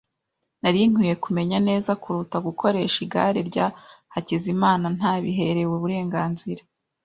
Nari nkwiye kumenya neza kuruta gukoresha igare rya Hakizimana ntabiherewe uburenganzira.